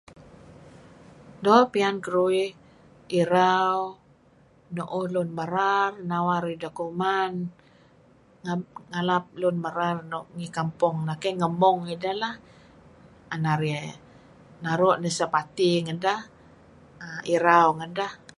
Doo' piyan keruih irau nuuh lun merar uhm nawar ideh kuman ngalap lun merar nuk ngi kampong iih ke ngemung idah lah an nrih naru' sah party ngadeh itau ngadeh.